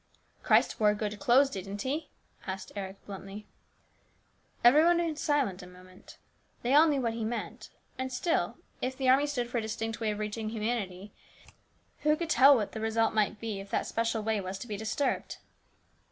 " Christ wore good clothes, didn't he ?" asked Eric bluntly. Everybody was silent a minute. They all knew what he meant. And still, if the army stood for a distinct way of reaching humanity, who could tell what the result might be if that special way was to be disturbed